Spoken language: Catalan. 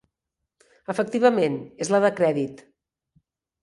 Efectivament, és la de crèdit.